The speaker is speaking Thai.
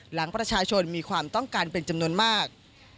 หลังประชาชนมีความต้องการเป็นจำนวนมาก